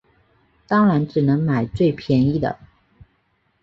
当然只能买最便宜的